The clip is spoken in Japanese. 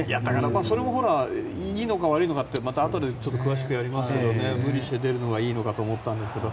それもいいのか悪いのかってまたあとで詳しくやりますが無理して出るのがいいのかと思ったんですけど。